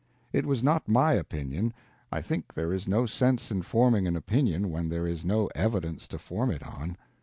It was not my opinion; I think there is no sense in forming an opinion when there is no evidence to form it on.